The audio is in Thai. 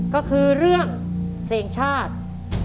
ก็คือเรื่องเพลงชาติ